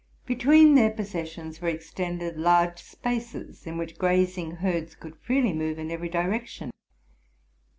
Between their possessions were extended large spaces, in which grazing herds could freely move in every direction.